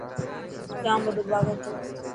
ڄام وڏو باغ هتو.